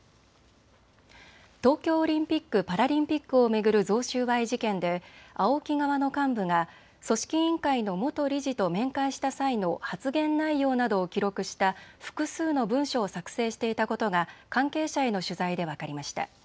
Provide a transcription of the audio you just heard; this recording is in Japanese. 東京オリンピック・パラリンピックを巡る贈収賄事件でＡＯＫＩ側の幹部が組織委員会の元理事と面会した際の発言内容などを記録した複数の文書を作成していたことが関係者への取材で分かりました。